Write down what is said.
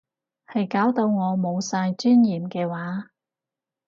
係搞到我冇晒尊嚴嘅話